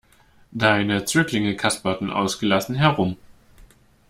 Deine Zöglinge kasperten ausgelassen herum.